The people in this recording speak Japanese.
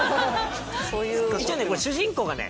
一応ねこれ主人公がね